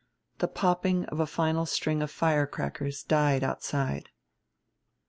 The popping of a final string of firecrackers died outside.